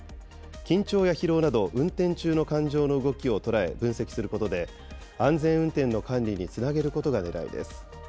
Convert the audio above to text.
緊張や疲労など運転中の感情の動きを捉え、分析することで安全運転の管理につなげることがねらいです。